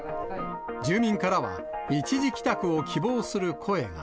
住民からは一時帰宅を希望する声が。